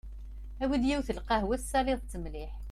Awi-d yiwet n lqehwa tessaliḍ-tt mliḥ.